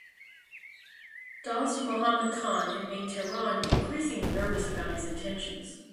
Dost Mohammad Khan had made Tehran increasingly nervous about his intentions.